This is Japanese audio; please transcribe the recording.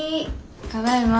ただいま。